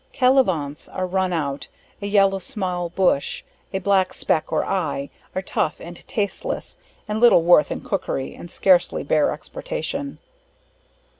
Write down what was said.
Calivanse, are run out, a yellow small bush, a black speck or eye, are tough and tasteless, and little worth in cookery, and scarcely bear exportation.